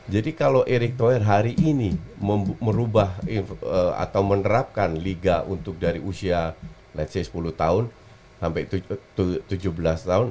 jadi kalau erik toer hari ini merubah atau menerapkan liga untuk dari usia let s say sepuluh tahun sampai tujuh belas tahun